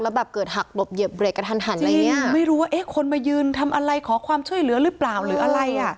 แล้วเกิดหักหลบเหยียบเลยกันหันแล้วไม่รู้ว่าเอ๊ะคนมายืนทำอะไรขอความช่วยเหลือลือเปล่าหรืออะไร